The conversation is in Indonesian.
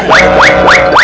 kan kan kan